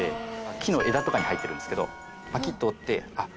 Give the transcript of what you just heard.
木の枝とかに入ってるんですけどパキッと折ってあっ